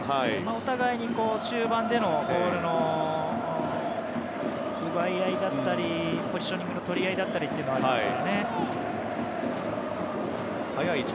お互いに中盤でのボールの奪い合いだったりポジショニングのとり合いというのはありますけどね。